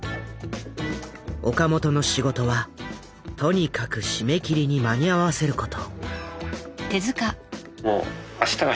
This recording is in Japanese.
岡本の仕事はとにかく締め切りに間に合わせること。